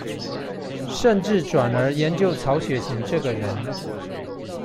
甚至轉而研究曹雪芹這個人